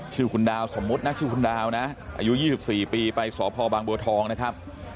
ชื่อคุณดาวสมมุตินะชื่อคุณดาวนะอายุ๒๔ปีไปสพบางบัวทองนะครับ